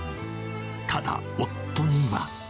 ただ、夫には。